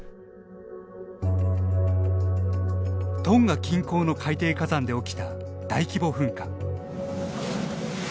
トンガ近郊の海底火山で起きた大規模噴火。